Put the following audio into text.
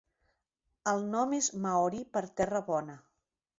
El nom és Maori per "terra bona".